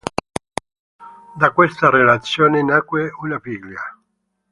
Da questa relazione nacque una figlia.